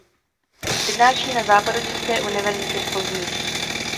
Přednáší na Západočeské univerzitě v Plzni.